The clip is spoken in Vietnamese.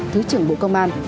thứ trưởng bộ công an